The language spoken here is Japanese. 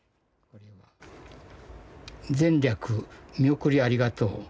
「前略見送りありがとう。